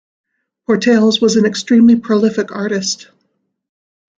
Portaels was an extremely prolific artist.